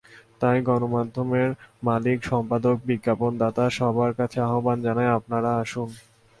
তাই গণমাধ্যমের মালিক, সম্পাদক, বিজ্ঞাপনদাতা সবার কাছে আহ্বান জানাই, আপনারা আসুন।